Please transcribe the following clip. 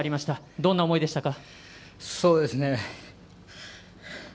どんな思いでしたか？